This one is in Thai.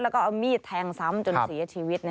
แล้วก็เอามีดแทงซ้ำจนเสียชีวิต